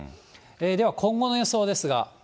では今後の予想ですが。